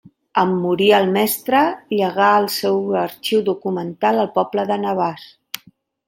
En morir, el mestre llegà el seu arxiu documental al poble de Navàs.